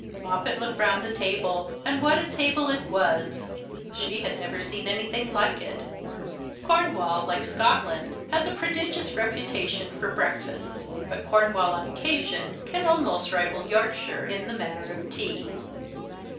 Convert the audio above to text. Moppet looked round the table ; and what a table it was ! She had never seen anything like it. Cornwall, like Scotland, has a prodigious reputation for 1»reakfasts ; but Cornwall, on occasion, can almost rival Yorkshire in the matter of tea.